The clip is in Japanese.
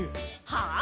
はあ⁉